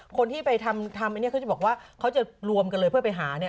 คนที่ไปทำอันนี้เขาจะบอกว่าเขาจะรวมกันเลยเพื่อไปหาเนี่ย